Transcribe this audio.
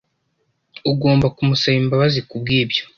Ugomba kumusaba imbabazi kubwibyo.